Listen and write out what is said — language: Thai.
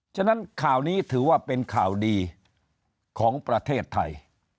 ฉะนั้นข่าวนี้ถือว่าเป็นข่าวดีของประเทศไทย